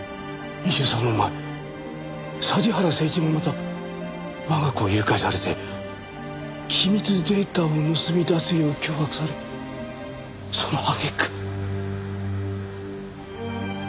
２３年前桟原誠一もまた我が子を誘拐されて機密データを盗み出すよう脅迫されその揚げ句殺されたんだ。